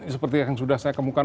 seperti yang sudah saya kemukan